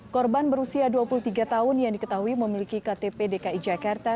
korban berusia dua puluh tiga tahun yang diketahui memiliki ktp dki jakarta